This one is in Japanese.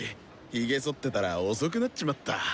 ヒゲそってたら遅くなっちまった！